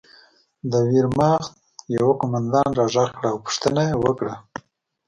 د ویرماخت یوه قومندان را غږ کړ او پوښتنه یې وکړه